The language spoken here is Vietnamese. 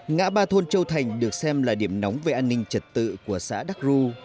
ngã ba thôn châu thành được xem là điểm nóng về an ninh trật tự của xã đắc ru